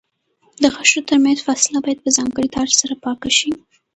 د غاښونو ترمنځ فاصله باید په ځانګړي تار سره پاکه شي.